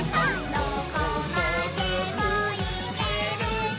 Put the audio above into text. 「どこまでもいけるぞ！」